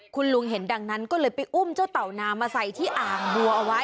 คุณลุงเห็นดังนั้นก็เลยไปอุ้มเจ้าเต่านามาใส่ที่อ่างบัวเอาไว้